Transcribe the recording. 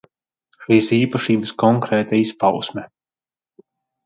Šīs īpašības konkrēta izpausme.